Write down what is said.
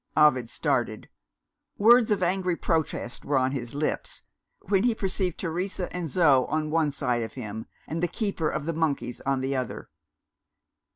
Ovid started. Words of angry protest were on his lips, when he perceived Teresa and Zo on one side of him, and the keeper of the monkeys on the other.